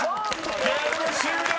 ［ゲーム終了！］